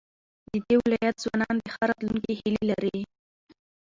د دې ولايت ځوانان د ښه راتلونکي هيلې لري.